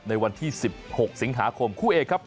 ในวันที่๑๖สิงหาคมคู่เอกครับ